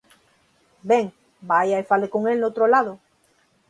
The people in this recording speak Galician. Ben, vaia e fale con el noutro lado.